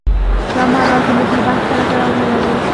دا معنا زموږ له بحث سره تړاو نه لري.